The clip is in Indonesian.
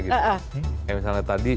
kayak misalnya tadi